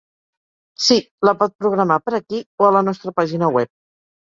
Si, la pot programar per aquí o a la nostra pàgina web.